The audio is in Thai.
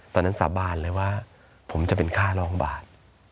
ตอนนั้นสาบานเลยว่าผมจะเป็นข้ารองบาท